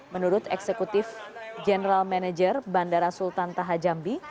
menurut eksekutif general manager bandara sultan taha jambi